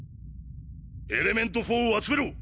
エレメント４を集めろ！